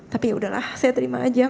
tapi ya sudah lah saya terima saja